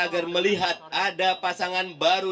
agar melihat ada pasangan baru